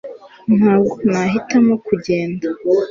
ntabwo nahitamo kugenda